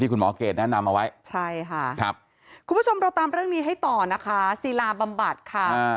คุณผู้ชมเราตามเรื่องนี้ให้ต่อนะคะซีราบำบัดค่ะ